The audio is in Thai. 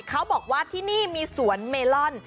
เขาบอกว่าที่นี่มีสวนเมลอน